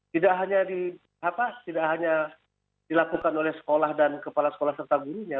tidak hanya dilakukan oleh sekolah dan kepala sekolah serta gurunya